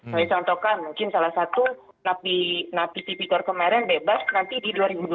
misalkan mungkin salah satu nafi tipitor kemarin bebas nanti di dua ribu dua puluh tiga